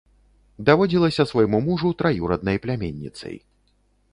Даводзілася свайму мужу траюраднай пляменніцай.